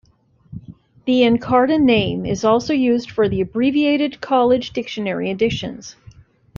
The Encarta name is also used for the abbreviated college dictionary editions.